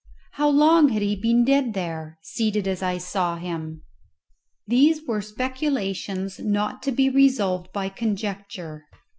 How long had he been dead there, seated as I saw him? These were speculations not to be resolved by conjecture.